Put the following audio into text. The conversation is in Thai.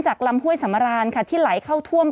ศูนย์อุตุนิยมวิทยาภาคใต้ฝั่งตะวันอ่อค่ะ